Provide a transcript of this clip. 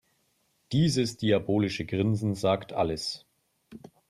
Dieses diabolische Grinsen sagt alles.